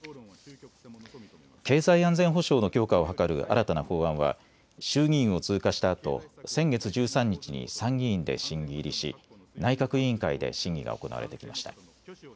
経済安全保障の強化を図る新たな法案は衆議院を通過したあと先月１３日に参議院で審議入りし内閣委員会で審議が行われてきました。